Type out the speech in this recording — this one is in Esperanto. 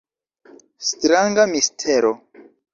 Stranga mistero!